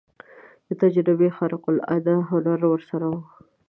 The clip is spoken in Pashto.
د تجربې خارق العاده هنر ورسره و.